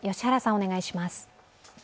お願いします。